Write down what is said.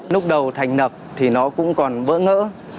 lúc đầu thành nập thì nó cũng còn bỡ ngỡ